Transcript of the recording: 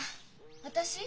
私？